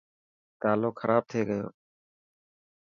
تالو خراب ٿي گيو.